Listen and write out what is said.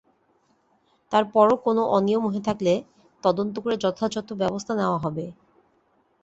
তার পরও কোনো অনিয়ম হয়ে থাকলে তদন্ত করে যথাযথ ব্যবস্থা নেওয়া হবে।